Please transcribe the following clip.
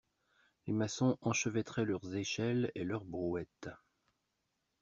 Les maçons enchevêtraient leurs échelles et leurs brouettes.